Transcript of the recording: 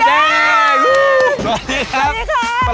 สวัสดีครับ